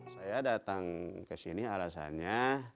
saya datang kesini alasannya